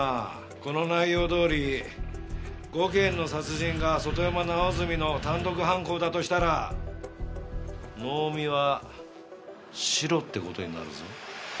この内容どおり５件の殺人が外山直澄の単独犯行だとしたら能見はシロって事になるぞ。